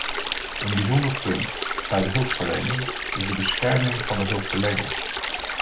Een bijzonder punt bij de hulpverlening is de bescherming van de hulpverleners.